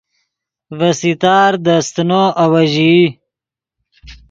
ڤے ستار دے استینو آویژئی